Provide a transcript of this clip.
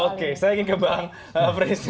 oke saya ingin ke bang presti